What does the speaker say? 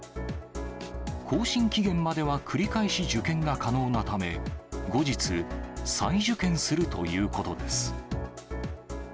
更新期限までは繰り返し受検が可能なため、後日、再受検するということです。